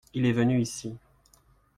Il est venu ici.